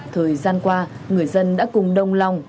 thời gian qua người dân đã cùng đồng lòng